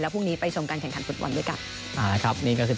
วันนี้เรา๓คนลาไปก่อน